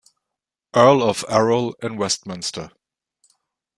Earl of Erroll in Westminster.